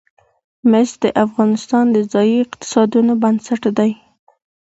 مس د افغانستان د ځایي اقتصادونو بنسټ دی.